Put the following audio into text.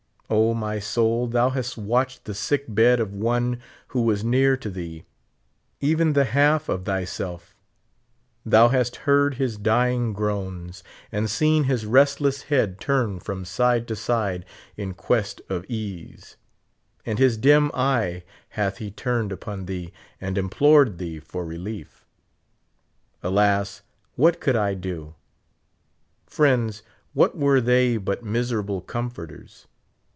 O, my soul, thou hast watched the sick bed of one who was near to thee, even the half of thj^self ; thou hast heard his dyintj aroans, and seen his restless head turn from side to side in quest of ease ; and his dim eye hath he turned upon thee and implored thee for relief. Alas ! what could I do ? Friends, what were thej^ but miserable comforters